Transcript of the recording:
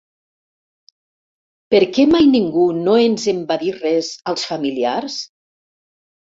¿Per què mai ningú no ens en va dir res, als familiars?